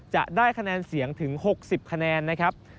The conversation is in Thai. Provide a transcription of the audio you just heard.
จะได้คะแนนเสียงถึง๖๐คะแนนนะครับ